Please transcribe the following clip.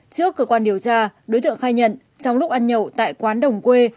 trước cơ quan điều tra đối tượng khai nhận trong lúc ăn nhậu tại quán đồng quê